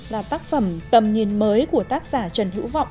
là tác phẩm tầm nhìn mới của tác giả trần hữu vọng